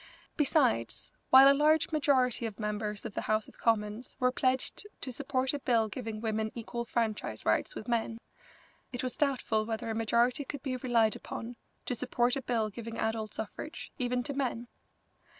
Besides, while a large majority of members of the House of Commons were pledged to support a bill giving women equal franchise rights with men, it was doubtful whether a majority could be relied upon to support a bill giving adult suffrage, even to men.